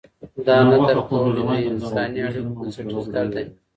دا نه درک کول د انساني اړیکو بنسټیز درد دی.